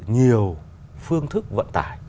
nhiều phương thức vận tải